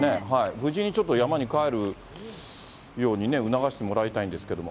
無事にちょっと山に帰るようにね、促してもらいたいんですけれども。